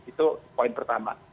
itu poin pertama